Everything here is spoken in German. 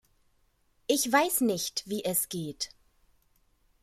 Ich weiß nicht, wie es geht.